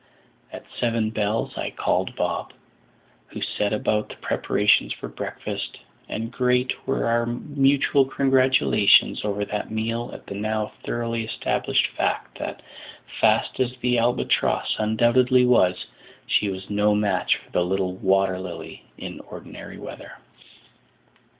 At seven bells I called Bob, who set about the preparations for breakfast, and great were our mutual congratulations over that meal at the now thoroughly established fact that, fast as the Albatross undoubtedly was, she was no match for the little Water Lily in ordinary weather.